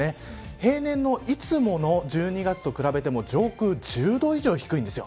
平年のいつもの１２月と比べても上空が１０度以上低いです。